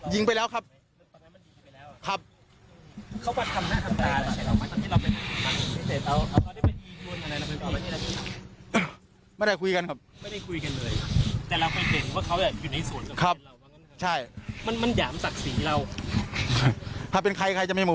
ยิงไปแล้วครับครับเขามาทำหน้าทำตาแล้วใช่ไหม